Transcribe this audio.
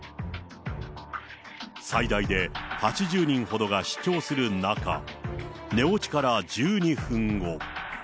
最大で８０人ほどが視聴する中、寝落ちから１２分後。